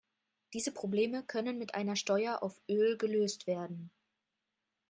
Diese Probleme können mit einer Steuer auf Öl gelöst werden.